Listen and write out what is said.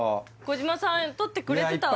児嶋さん撮ってくれてた？